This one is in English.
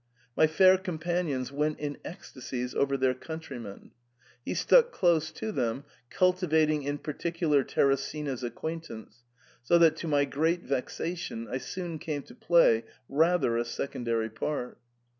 My fair companions went in ecstasies over their countryman ; he stuck close to them, cultivating in particular Teresina's acquaintance, so that to my great vexation I soon came to play rather a secondary part.